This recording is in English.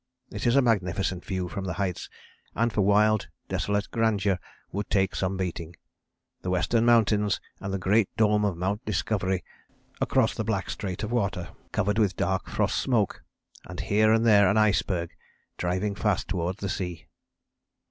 It is a magnificent view from the heights and for wild desolate grandeur would take some beating; the Western Mountains and the great dome of Mount Discovery across the black strait of water, covered with dark frost smoke, and here and there an iceberg driving fast towards the sea.